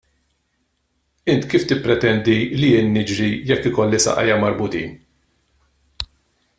Inti kif tippretendi li jien niġri jekk ikolli saqajja marbutin?